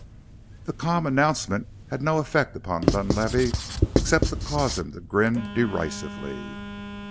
The calm announcement had no effect upon Dunlavey except to cause him to grin derisively.